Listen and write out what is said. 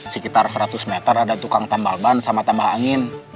sekitar seratus meter ada tukang tambal ban sama tambah angin